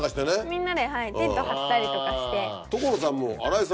みんなでテント張ったりとかして。